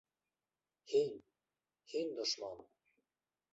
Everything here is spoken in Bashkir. Һин - һин дошман!